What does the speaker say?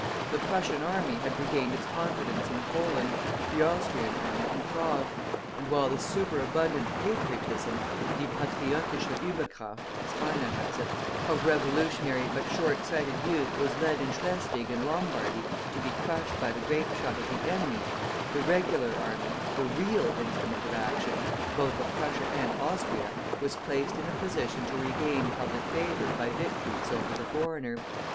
The Prussian army had regained its confidence in Poland, the Austrian army in Prague; and while the superabundant patriotism ("die Patriotische Ueberkraft," as Heine has it) of revolutionary but shortsighted youth was led in Schleswig and Lombardy, to be crushed by the grape shot of the enemy, the regular army, the real instrument of action, both of Prussia and Austria, was placed in a position to regain public favor by victories over the foreigner.